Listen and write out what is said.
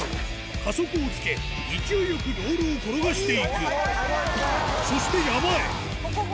加速をつけ勢いよくロールを転がしていくそして山へいけ！